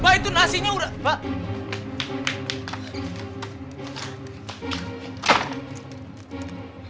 mbak itu nasinya sudah mbak